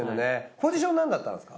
ポジションなんだったんですか？